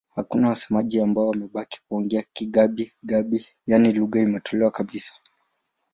Hakuna wasemaji ambao wamebaki kuongea Kigabi-Gabi, yaani lugha imetoweka kabisa.